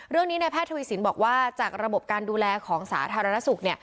ในแพทย์ทวีสินบอกว่าจากระบบการดูแลของสาธารณสุข